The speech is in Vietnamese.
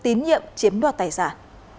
tín nhiệm chiếm đoạt tài sản